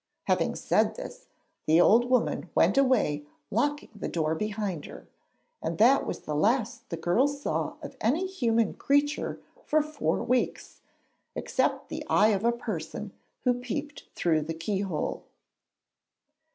Having said this, the old woman went away locking the door behind her, and that was the last the girl saw of any human creature for four weeks, except the eye of a person who peeped through the keyhole.